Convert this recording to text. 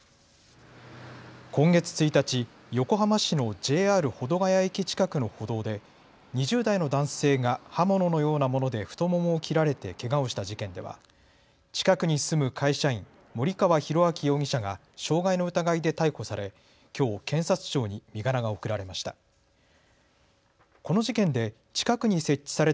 今月１日、横浜市のＪＲ保土ケ谷駅近くの歩道で２０代の男性が刃物のようなもので太ももを切られてけがをした事件では近くに住む会社員、森川浩昭容疑者が傷害の疑いで逮捕されきょう検察庁に身柄が送られました。